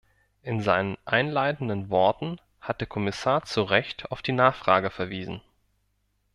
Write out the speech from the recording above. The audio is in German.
In seinen einleitenden Worten hat der Kommissar zu Recht auf die Nachfrage verwiesen.